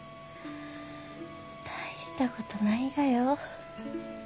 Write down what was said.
大したことないがよ。